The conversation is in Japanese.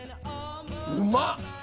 うまっ！